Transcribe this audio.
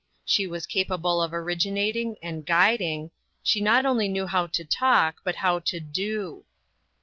She was capable of originating and guiding. She not only knew how to talk, but how to do.